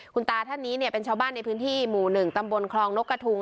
คุณตาท่านนี้เนี่ยเป็นชาวบ้านในพื้นที่หมู่๑ตำบลคลองนกกระทุง